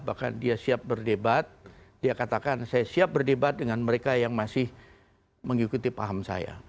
bahkan dia siap berdebat dia katakan saya siap berdebat dengan mereka yang masih mengikuti paham saya